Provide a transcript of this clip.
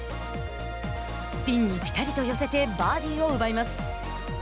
ピンにぴたりと寄せてバーディーを奪います。